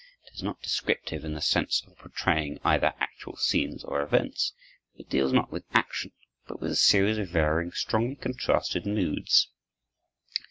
It is not descriptive in the sense of portraying either actual scenes or events. It deals not with action, but with a series of varying, strongly contrasted moods.